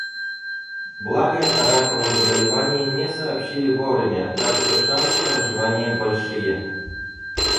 Благо, о раковом заболевании мне сообщили вовремя, так что шансы на выживание большие.